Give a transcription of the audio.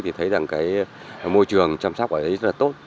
thì thấy rằng cái môi trường chăm sóc ở đấy rất là tốt